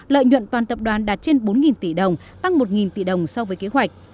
lợi nhuận toàn tập đoàn đạt trên bốn tỷ đồng tăng một tỷ đồng so với kế hoạch